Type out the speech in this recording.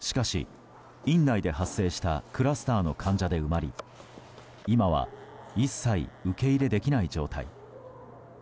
しかし、院内で発生したクラスターの患者で埋まり今は一切受け入れできない状態。